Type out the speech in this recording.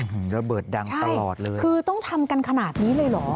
ระเบิดดังตลอดเลยคือต้องทำกันขนาดนี้เลยเหรอ